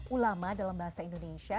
ulama dalam bahasa indonesia